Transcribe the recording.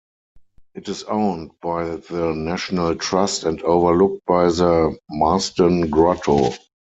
It is owned by the National Trust and overlooked by the Marsden Grotto.